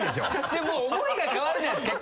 でも思いが変わるじゃないですか。